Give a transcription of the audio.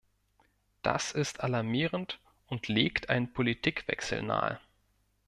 Das ist alarmierend und legt einen Politikwechsel nahe.